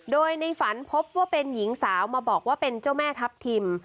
โดยในฝันพบว่าเป็นหญิงสาวมาบอกว่าเป็นเจ้าแม่ทัพทิม